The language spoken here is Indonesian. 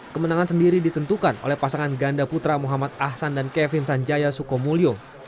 kemenangan sendiri ditentukan oleh pasangan ganda putra muhammad ahsan dan kevin sanjaya sukomulyo